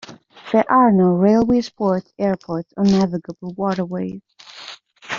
There are no railways, ports, airports, or navigable waterways.